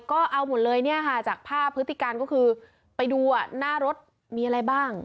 ก็เอาหมดเลยเนี่ยค่ะจากภาพพฤติการก็คือไปดูหน้ารถมีอะไรบ้าง